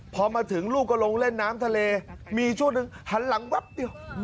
พอมาถึงลูกก็ลงเล่นน้ำทะเลมีช่วงหนึ่งหันหลังแป๊บเดียว